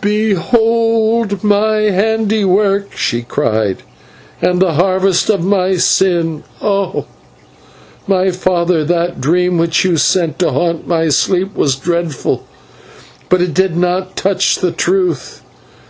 "Behold my handiwork," she said, "and the harvest of my sin! Oh! my father, that dream which you sent to haunt my sleep was dreadful, but it did not touch the truth.